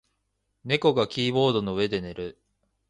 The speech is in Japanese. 猫がキーボードの上で寝る。